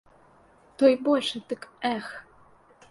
Той большы, дык, эх!